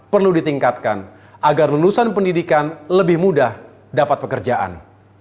perlu ditingkatkan agar lulusan pendidikan lebih mudah dapat pekerjaan